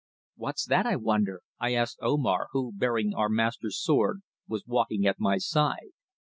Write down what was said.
"What's that, I wonder?" I asked Omar, who, bearing our master's sword, was walking at my side.